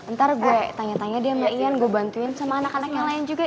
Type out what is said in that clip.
ntar gue tanya tanya deh sama ian gue bantuin sama anak anak yang lain juga